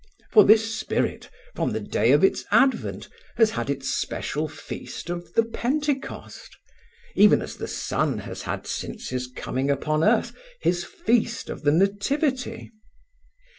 For this Spirit, from the day of Its advent, has had Its special feast of the Pentecost, even as the Son has had since His coming upon earth His feast of the Nativity.